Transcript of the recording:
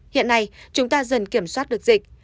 hiện nay chúng ta dần kiểm soát được dịch